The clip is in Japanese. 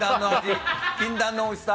禁断のおいしさ。